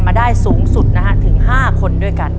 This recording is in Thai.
มาได้สูงสุดนะฮะถึง๕คนด้วยกัน